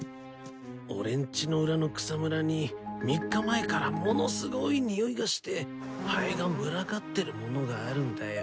俺んちの裏の草むらに３日前からものすごいにおいがしてハエが群がってるものがあるんだよ。